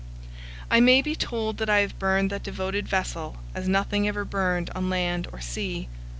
I may be told that I have burned that devoted vessel as nothing ever burned on land or sea.